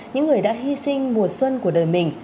những người đã hy sinh mùa xuân của đời mình